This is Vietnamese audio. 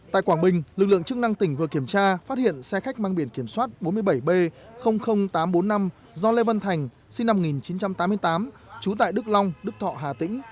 tại quảng bình lực lượng chức năng tỉnh vừa kiểm tra phát hiện xe khách mang biển kiểm soát bốn mươi bảy b tám trăm bốn mươi năm do lê văn thành sinh năm một nghìn chín trăm tám mươi tám trú tại đức long đức thọ hà tĩnh